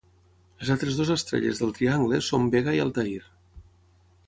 Les altres dues estrelles del triangle són Vega i Altair.